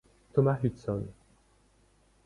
Thomas Hudson.